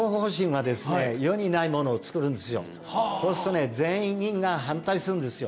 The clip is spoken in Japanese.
そうするとね全員が反対するんですよ。